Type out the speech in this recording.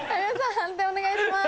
判定お願いします。